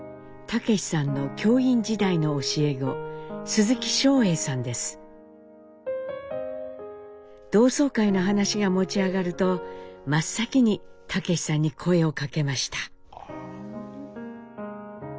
武さんの教員時代の教え子同窓会の話が持ち上がると真っ先に武さんに声をかけました。